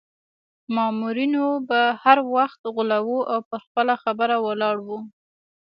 مامورینو به هر وخت غولاوه او پر خپله خبره ولاړ وو.